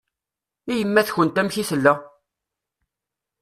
I yemma-tkent amek i tella?